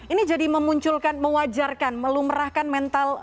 ini jadi memunculkan mewajarkan melumerahkan mental